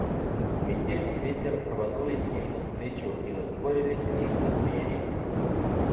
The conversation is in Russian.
Метель и ветер рванулись ей навстречу и заспорили с ней о двери.